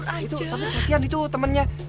patihan itu temennya